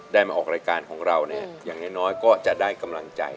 มาออกรายการของเรานะฮะอย่างน้อยก็จะได้กำลังใจ